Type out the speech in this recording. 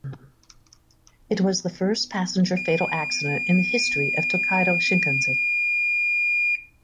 It was the first passenger fatal accident in the history of the Tokaido Shinkansen.